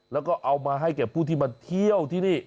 แล้วก็เอามาให้แก่ผู้ที่มาเที่ยวที่นี่